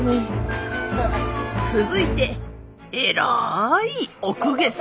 続いて偉いお公家様。